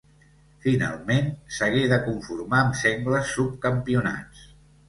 Finalment s'hagué de conformar amb sengles subcampionats.